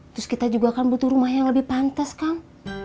terus kita juga kan butuh rumah yang lebih pantas kang